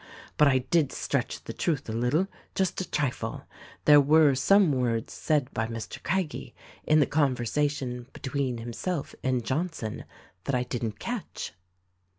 But I did stretch the truth a little, just a trifle : There were some words said by Mr. Craggie in the conversation between himself and Johnson that I didn't catch.'